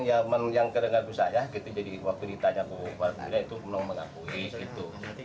ya yang kedengan usaha jadi waktu ditanya ke warga itu menang mengakui